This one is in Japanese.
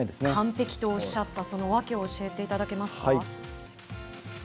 完璧とおっしゃったそのわけを教えていただけますか。